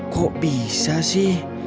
kok bisa sih